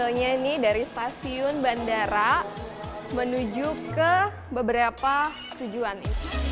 betulnya ini dari spasiun bandara menuju ke beberapa tujuan ini